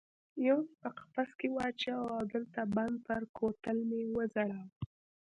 یو مې په قفس کې واچاوه او د لته بند پر کوتل مې وځړاوه.